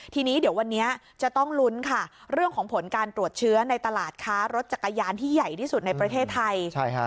ทีนี้เดี๋ยววันนี้จะต้องลุ้นค่ะเรื่องของผลการตรวจเชื้อในตลาดค้ารถจักรยานที่ใหญ่ที่สุดในประเทศไทย